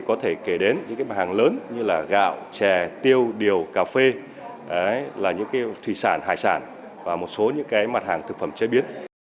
có thể kể đến những mặt hàng lớn như gạo chè tiêu điều cà phê thủy sản hải sản và một số những mặt hàng thực phẩm chế biến